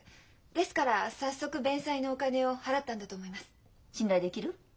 ですから早速弁済のお金を払ったんだと思います。